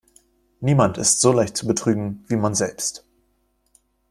Niemand ist so leicht zu betrügen, wie man selbst.